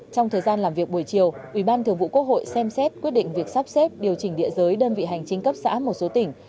trong thời gian làm việc buổi chiều ủy ban thường vụ quốc hội xem xét quyết định việc sắp xếp điều chỉnh địa giới đơn vị hành chính cấp xã một số tỉnh